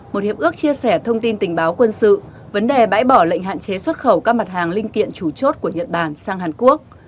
một hiệp ước chia sẻ thông tin tình báo quân sự vấn đề bãi bỏ lệnh hạn chế xuất khẩu các mặt hàng linh kiện chủ chốt của nhật bản sang hàn quốc